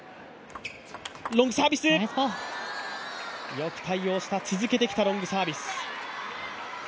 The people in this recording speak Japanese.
よく対応した、続けてきたロングサービス。